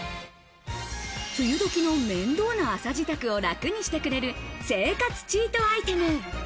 梅雨どきの面倒な朝支度を楽にしてくれる生活チートアイテム。